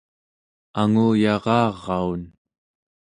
anguyararaun